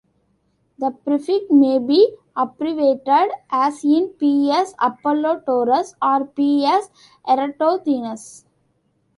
The prefix may be abbreviated, as in "ps-Apollodorus" or "ps-Eratosthenes".